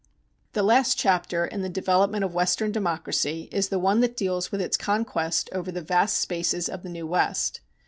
The last chapter in the development of Western democracy is the one that deals with its conquest over the vast spaces of the new West.